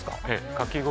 かき氷